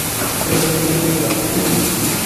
সবার কাছ থেকে বিদায় নিলাম।